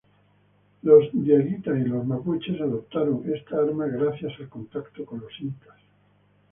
Los diaguitas y los mapuches adoptaron esta arma gracias al contacto con los incas.